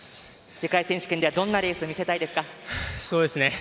世界選手権ではどんなレース見せたいですか？